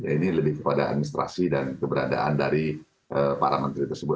ini lebih kepada administrasi dan keberadaan dari para menteri tersebut